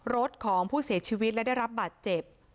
รถของผู้เสียชีวิตและได้รับบาดเจ็บ